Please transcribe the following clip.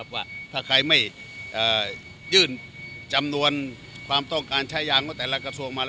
ว่าถ้าใครไม่ยื่นจำนวนความต้องการใช้ยางของแต่ละกระทรวงมา